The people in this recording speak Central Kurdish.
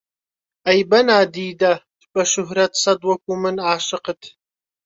ئەی بە نادیدە، بە شوهرەت سەد وەکوو من عاشقت